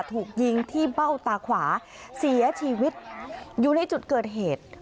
ถูกยิงที่เบ้าตาขวาเสียชีวิตอยู่ในจุดเกิดเหตุ